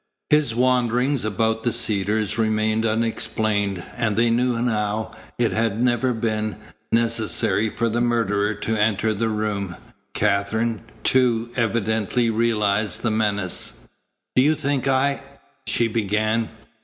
His wanderings about the Cedars remained unexplained, and they knew now it had never been necessary for the murderer to enter the room, Katherine, too, evidently realized the menace. "Do you think I " she began.